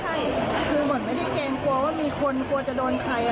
กลัวว่ามีคนกลัวจะโดนใครอ่ะ